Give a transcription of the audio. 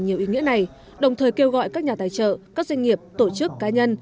nhiều ý nghĩa này đồng thời kêu gọi các nhà tài trợ các doanh nghiệp tổ chức cá nhân